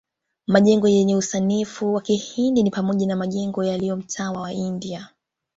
Majengo yenye usanifu wa kihindi ni pamoja na majengo yaliyo mtaa wa India